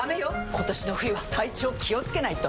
今年の冬は体調気をつけないと！